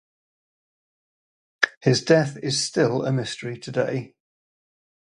His death is still a mystery today.